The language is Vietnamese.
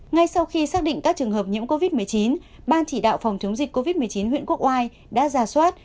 ngay sau khi xác định các trường hợp nhiễm covid một mươi chín ban chỉ đạo phòng chống dịch covid một mươi chín huyện quốc oai đã giả soát